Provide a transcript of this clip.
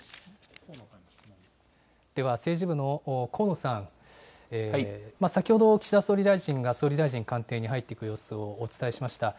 では政治部の高野さん、先ほど岸田総理大臣が総理大臣官邸に入っていく様子をお伝えしました。